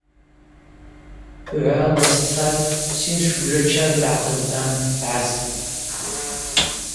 Гӏврала сцатӏ, Хӏвсин дшбжачаз дгӏахъыздан дгӏаздтӏ.